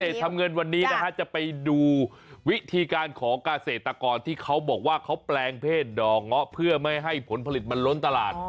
ทำเงินวันนี้นะฮะจะไปดูวิธีการของเกษตรกรที่เขาบอกว่าเขาแปลงเพศดอกเงาะเพื่อไม่ให้ผลผลิตมันล้นตลาด